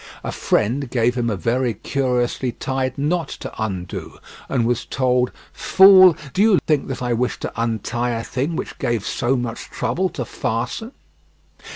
A friend gave him a very curiously tied knot to undo and was told: "Fool, do you think that I wish to untie a thing which gave so much trouble to fasten."